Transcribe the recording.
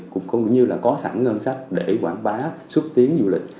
cũng như là có sẵn ngân sách để quảng bá xúc tiến du lịch